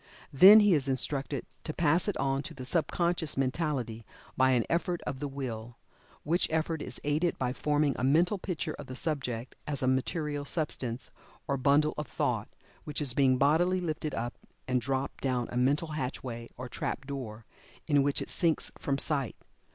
Then he is instructed to pass it on to the sub conscious mentality by an effort of the Will, which effort is aided by forming a mental picture of the subject as a material substance, or bundle of thought, which is being bodily lifted up and dropped down a mental hatch way, or trap door, in which it sinks from sight.